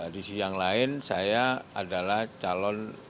di sisi yang lain saya adalah calon